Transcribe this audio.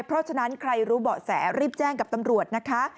เพราะฉะนั้นใครรู้เบาะแสรีบแจ้งกับตำรวจนะคะ